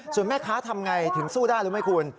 ส่วนแม่ค้าทำอย่างไรถึงสู้ได้หรือไม่คุณ